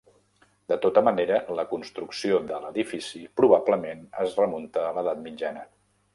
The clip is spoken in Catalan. De tota manera, la construcció de l'edifici probablement es remunta a l'Edat Mitjana.